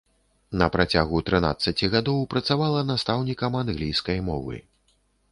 На працягу трынаццаці гадоў працавала настаўнікам англійскай мовы.